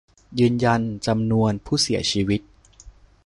ยืนยันจำนวนผู้เสียหาย